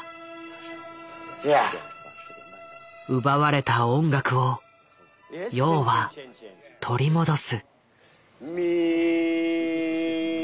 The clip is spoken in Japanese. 奪われた音楽を楊は取り戻す。